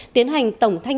đang rất bằng khoan